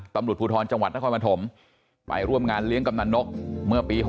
ตำรวจภูทรจังหวัดนครปฐมไปร่วมงานเลี้ยงกำนันนกเมื่อปี๖๐